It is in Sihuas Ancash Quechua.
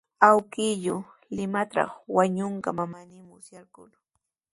Awkilluu Limatraw wañunqan manami musyarqaaku.